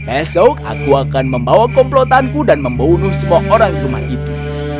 esok aku akan membawa komplotanku dan membunuh semua orang di rumah itu